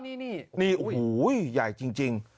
นี่ในนี่ว่าย่ายจริง